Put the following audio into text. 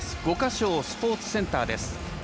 五か松スポーツセンターです。